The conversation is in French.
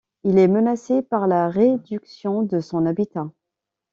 Il est menacé par la réduction de son habitat.